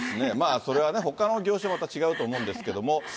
それはね、ほかの業種はまた違うと思うんですけれども。